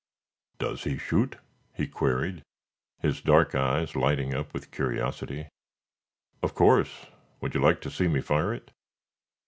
"Does he shoot?" he queried, his dark eyes lighting up with curiosity. "Of course. Would you like to see me fire it?"